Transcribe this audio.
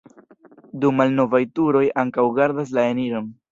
Du malnovaj turoj ankaŭ gardas la eniron.